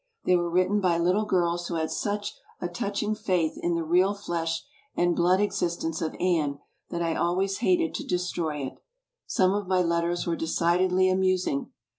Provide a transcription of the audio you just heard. They were written by litde girls who had such a touching faith in the real flesh and blood existence of Anne that I always hated to destroy it. Some of my letters were decidedly amusing.